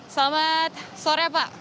selamat sore pak